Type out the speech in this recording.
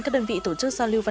các đơn vị tổ chức